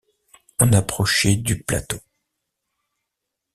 On approchait du plateau.